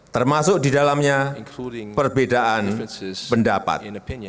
termasuk di dalamnya perbedaan pendapat